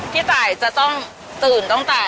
พี่ตายจะต้องตื่นตั้งแต่